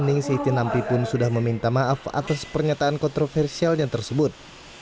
ning siti nampi pun sudah meminta maaf atas pernyataan kontroversialnya tersebut